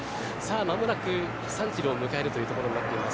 間もなく３キロを迎えるというところになっています。